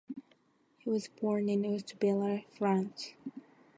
He was born in Woustviller, France.